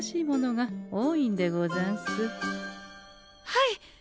はい！